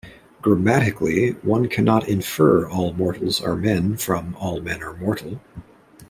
Grammatically, one cannot infer "all mortals are men" from "All men are mortal".